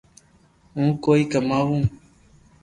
ھون ڪوئي ڪماوُ